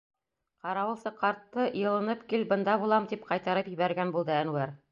Ҡарауылсы ҡартты, йылынып кил, бында булам, тип ҡайтарып ебәргән булды Әнүәр.